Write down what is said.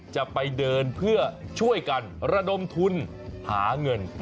จะไปเดินเพื่อช่วยกันระดมทุนหาเงิน